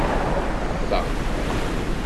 Ffeɣ.